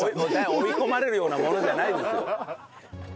追い込まれるようなものじゃないですよ。